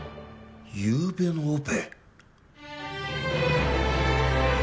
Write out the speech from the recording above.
ゆうべのオペ！？